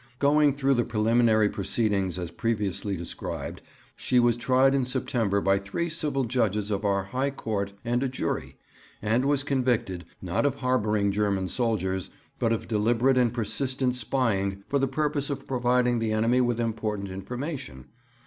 'Going through the preliminary proceedings as previously described, she was tried in September by three civil judges of our High Court and a jury, and was convicted, not of harbouring German soldiers, but of deliberate and persistent spying for the purpose of providing the enemy with important information.